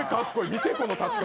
見てこの立ち方。